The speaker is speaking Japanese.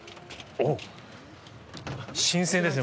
おっ、新鮮ですね。